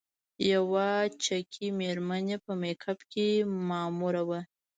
یوه چکي میرمن چې په کمپ کې ماموره وه.